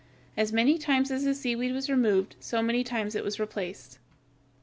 As many times as the seaweed was removed, so many times was it replaced.